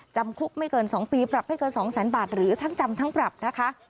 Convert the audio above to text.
จำคุกไม่เกิน๒ปีปรับไม่เกิน๒แสนบาทหรือทั้งจำทั้งปรับนะคะ